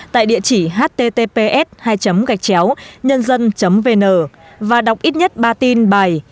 tại địa chỉ https hai gạch chéo nhân dân vn và đọc ít nhất ba tin bài